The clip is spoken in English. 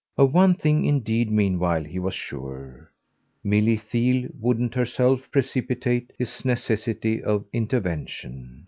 Of one thing indeed meanwhile he was sure: Milly Theale wouldn't herself precipitate his necessity of intervention.